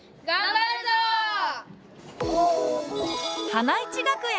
花一学園。